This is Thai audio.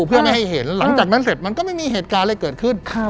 เพื่อไม่ให้เห็นหลังจากนั้นเสร็จมันก็ไม่มีเหตุการณ์อะไรเกิดขึ้น